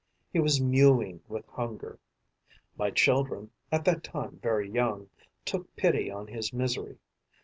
He was mewing with hunger. My children, at that time very young, took pity on his misery.